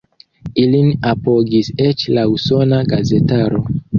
Ilin apogis eĉ la usona gazetaro.